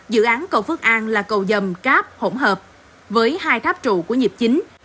dự án cầu phước an là cầu dầm cáp hỗn hợp với hai tháp trụ của nhịp chính